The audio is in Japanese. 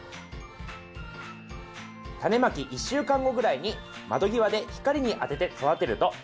タネまき１週間後ぐらいに窓際で光に当てて育てると１０日間で完成します。